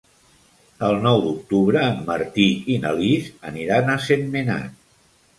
El nou d'octubre en Martí i na Lis aniran a Sentmenat.